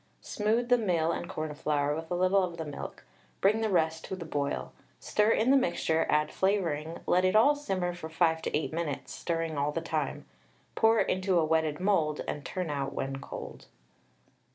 Smooth the meal and cornflour with a little of the milk, bring the rest to the boil, stir in the mixture, add flavouring, let it all simmer for 5 to 8 minutes, stirring all the time. Pour into a wetted mould, and turn out when cold.